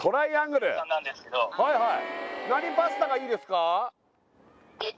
はいはい☎